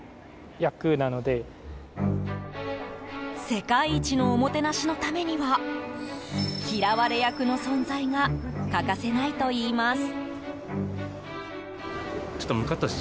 世界一のおもてなしのためには嫌われ役の存在が欠かせないといいます。